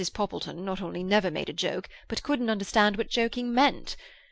Poppleton not only never made a joke, but couldn't understand what joking meant.